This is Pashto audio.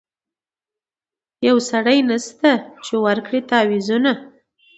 یو سړی نسته چي ورکړي تعویذونه